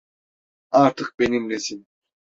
Artık benimlesin.